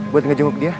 buat ngejungkuk dia